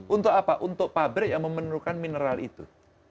untuk apa untuk pabrik yang memerlukan mineral itu